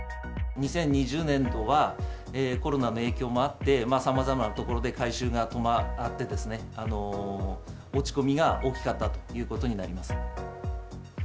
２０２０年度は、コロナの影響もあって、さまざまな所で回収が止まってですね、落ち込みが大きかったということになります。